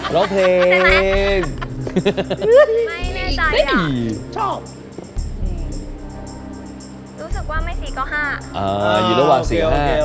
รู้สึกว่าไม่สี่ก็ห้าอ่ออยู่ระหว่างสี่ว่าห้า